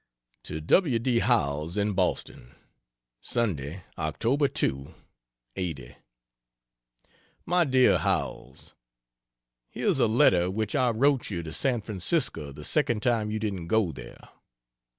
To W. D. Howells, in Boston: Sunday, Oct. 2 '80. MY DEAR HOWELLS, Here's a letter which I wrote you to San Francisco the second time you didn't go there....